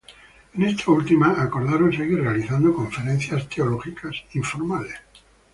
En esta última, acordaron seguir realizando conferencias teológicas informales.